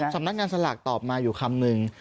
สำนักงานสลากตอบมาอยู่คำนึง